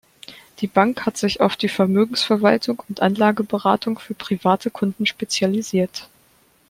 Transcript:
Die Bank hat sich auf die Vermögensverwaltung und Anlageberatung für private Kunden spezialisiert.